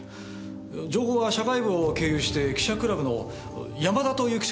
情報は社会部を経由して記者クラブの山田という記者に伝えられたんです。